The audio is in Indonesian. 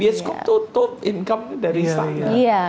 biasa kok tutup income dari sana